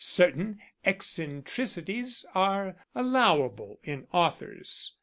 Certain eccentricities are allowable in authors.